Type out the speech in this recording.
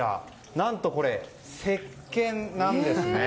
何とこれ、せっけんなんですね。